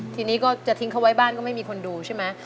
ทีนี้ก็จะทิ้งเขาไว้บ้านก็ไม่มีคนดูใช่ไหม